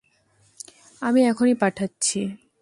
আমি এখনই পাঠাচ্ছি।